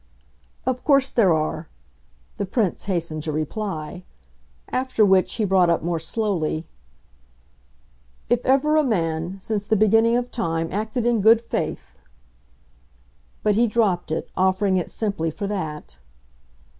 "Of course there are!" the Prince hastened to reply. After which he brought up more slowly: "If ever a man, since the beginning of time, acted in good faith!" But he dropped it, offering it simply for that.